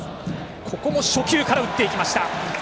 ここも初球から打っていきました。